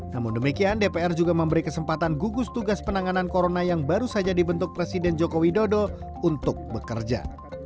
namun demikian dpr juga memberi kesempatan gugus tugas penanganan corona yang baru saja dibentuk presiden joko widodo untuk bekerja